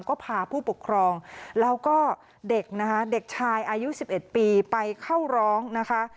ก็พาผู้ปกครองแล้วก็เด็กนะคะเด็กชายอายุ๑๑ปีไปเข้าร้องนะคะ